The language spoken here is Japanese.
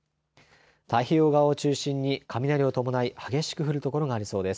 太平洋側を中心に雷を伴い激しく降る所がありそうです。